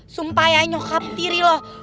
sumpah ya nyokap diri lo